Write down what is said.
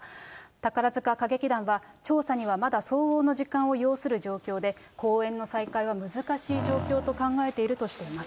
宝塚歌劇団は、調査にはまだ相応な時間を要する状況で、公演の再開は難しい状況と考えているとしています。